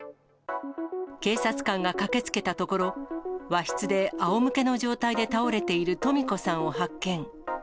警察官が駆けつけたところ、和室であおむけの状態で倒れている登美子さんを発見。